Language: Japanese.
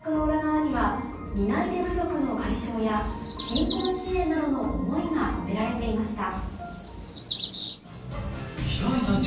その制作の裏側には、担い手不足の解消や、貧困支援などの思いが込められていました。